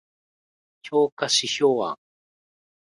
評価指標案